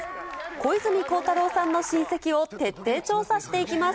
小泉孝太郎さんの親戚を徹底調査していきます。